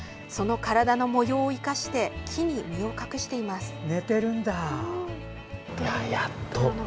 その体の模様を生かして木に身を隠しています。